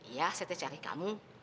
iya saya teh cari kamu